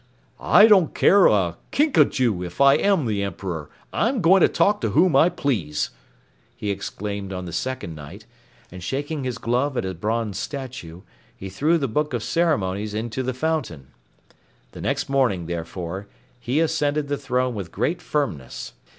"I don't care a kinkajou if I am the Emperor, I'm going to talk to whom I please!" he exclaimed on the second night, and shaking his glove at a bronze statue, he threw the Book of Ceremonies into the fountain. The next morning, therefore, he ascended the throne with great firmness.